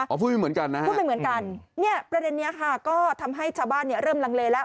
พูดไม่เหมือนกันพูดไม่เหมือนกันประเด็นนี้ก็ทำให้ชาวบ้านเริ่มลังเลแล้ว